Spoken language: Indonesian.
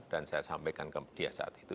dan saya sampaikan ke media saat itu